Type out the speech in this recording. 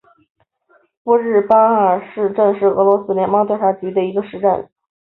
沃日巴尔市镇是俄罗斯联邦沃洛格达州托季马区所属的一个市镇。